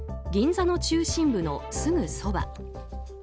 銀座の中心部のすぐそば。